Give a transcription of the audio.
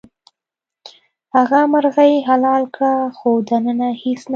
هغه مرغۍ حلاله کړه خو دننه هیڅ نه وو.